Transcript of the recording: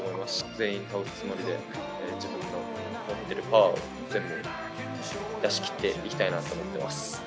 全員倒すつもりで、自分の持ってるパワーを全部出し切っていきたいなと思ってます。